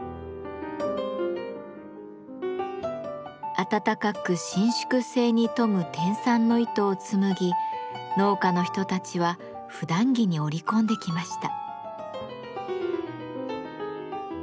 温かく伸縮性に富む天蚕の糸を紡ぎ農家の人たちはふだん着に織り込んできました。